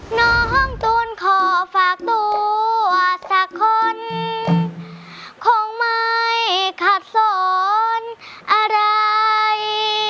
น้องตูนขอฝากตัวสักคนคงไม่ขัดสอนอะไร